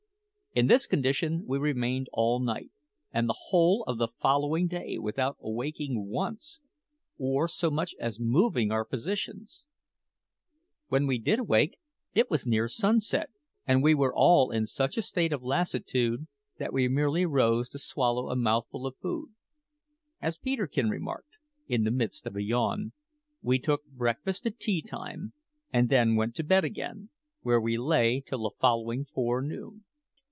In this condition we remained all night and the whole of the following day without awaking once, or so much as moving our positions. When we did awake it was near sunset, and we were all in such a state of lassitude that we merely rose to swallow a mouthful of food. As Peterkin remarked, in the midst of a yawn, we took breakfast at tea time, and then went to bed again, where we lay till the following forenoon.